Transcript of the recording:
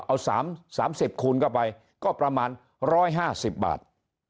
เอา๓๐คูณเข้าไปก็ประมาณ๑๕๐บาท